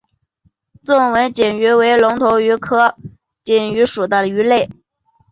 纵纹锦鱼为隆头鱼科锦鱼属的鱼类。